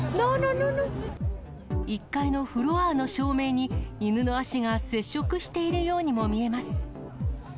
１階のフロアの照明に犬の足が接触しているようにも見えます。